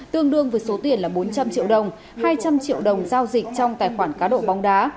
tương đương với số tiền là bốn trăm linh triệu đồng hai trăm linh triệu đồng giao dịch trong tài khoản cá độ bóng đá